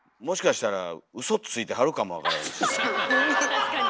確かに。